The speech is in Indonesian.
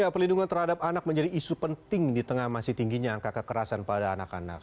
pelindungan terhadap anak menjadi isu penting di tengah masih tingginya angka kekerasan pada anak anak